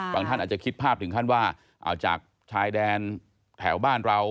ท่านอาจจะคิดภาพถึงขั้นว่าเอาจากชายแดนแถวบ้านเรา